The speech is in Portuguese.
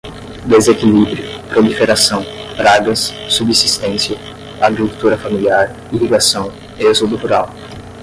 desequilíbrio, proliferação, pragas, subsistência, agricultura familiar, irrigação, êxodo rural